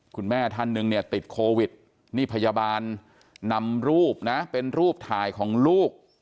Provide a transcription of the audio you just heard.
คุณแม่ท่านหนึ่งเนี่ยติดโควิดนี่พยาบาลนำรูปนะเป็นรูปถ่ายของลูก